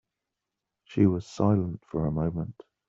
She was silent for a moment.